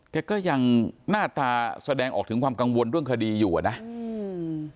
แกก็ยังหน้าตาแสดงออกถึงความกังวลเรื่องคดีอยู่อ่ะนะอืม